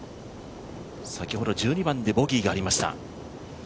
先ほど１２番でボギーがありました。